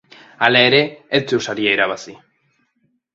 Hala ere, ez zuen saria irabazi.